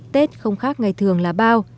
tết không khác ngày thường là bao